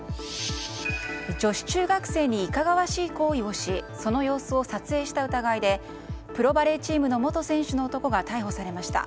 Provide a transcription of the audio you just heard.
女子中学生にいかがわしい行為をしその様子を撮影した疑いでプロバレーチームの元選手の男が逮捕されました。